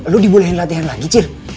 lo dibolehin latihan lagi cir